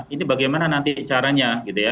ini bagaimana nanti caranya